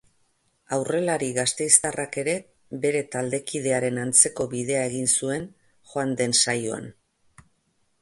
Aurrelari gasteiztarrak ere bere taldekidearen antzeko bidea egin zuen joan den saoian.